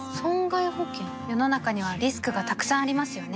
世の中にはリスクがたくさんありますよね